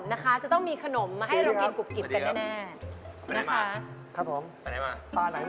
นะคะจะต้องมีขนมมาให้เรากินกรุบกริบกันแน่นะคะพี่บอลสวัสดีครับสวัสดีครับ